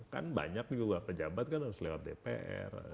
kan banyak juga pejabat kan harus lewat dpr